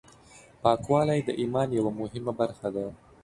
پاکوالی د ایمان یوه مهمه برخه ده.